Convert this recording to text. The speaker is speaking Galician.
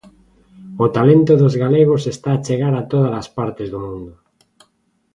O talento dos galegos está a chegar a todas as partes do mundo.